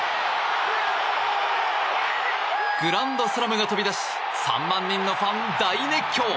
グランドスラムが飛び出し３万人のファン、大熱狂！